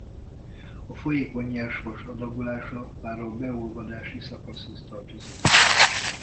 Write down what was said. A folyékony nyersvas adagolása már a beolvadási szakaszhoz tartozik.